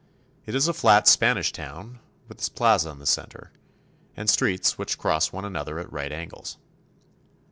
It is a flat Spanish town with a plaza in the center, and streets which cross one another at right angles.